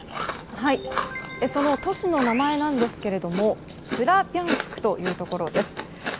その都市の名前なんですけれどもスラビャンスクというところです。